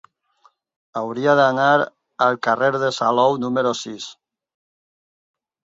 Hauria d'anar al carrer de Salou número sis.